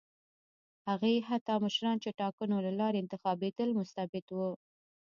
حتی هغه مشران چې ټاکنو له لارې انتخابېدل مستبد وو.